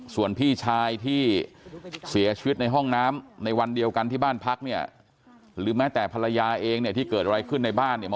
ส่วนพี่ชายที่เสียชีวิตในห้องน้ำในวันเดียวกันที่บ้านพักเนี่ยหรือแม้แต่ภรรยาเองเนี่ยที่เกิดอะไรขึ้นในบ้านเนี่ย